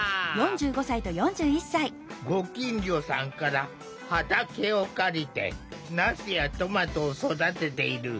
ご近所さんから畑を借りてナスやトマトを育てている。